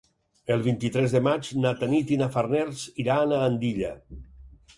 El vint-i-tres de maig na Tanit i na Farners iran a Andilla.